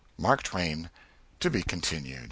MARK TWAIN. (_To be Continued.